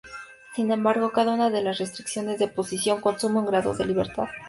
Sin embargo, cada una de las restricciones de posición "consume" un grado de libertad.